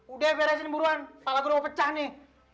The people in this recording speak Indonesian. udah beresin buruan kepala gue mau pecah nih